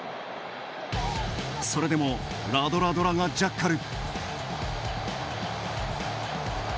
それでもラドラドラがジャッカル！